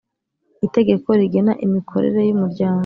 Itegeko rigena imikorere y’Umuryango.